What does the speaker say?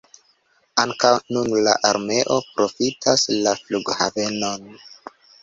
Ankaŭ nun la armeo profitas la flughavenon.